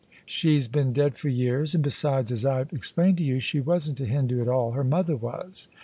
''She'd been dead for years. And, besides, as I've ex plained to you, she wasn't a Hindoo at all : her mother was."